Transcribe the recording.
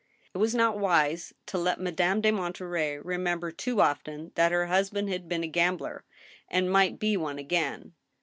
It was not wise to let Madame de Monterey remember too often that her husband had been a gambler, and might be one again.